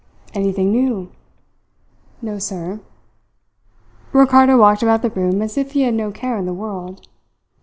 "Anything new?" "No, sir." Ricardo walked about the room as if he had no care in the world.